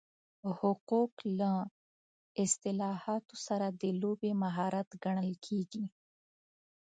حقوق له اصطلاحاتو سره د لوبې مهارت ګڼل کېږي.